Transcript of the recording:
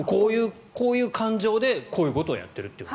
こういう感情でこういうことをやっているという。